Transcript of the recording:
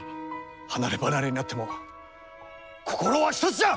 離れ離れになっても心は一つじゃ！